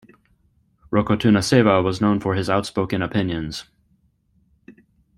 Rokotunaceva was known for his outspoken opinions.